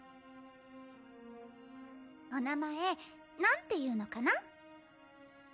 お名前何ていうのかな？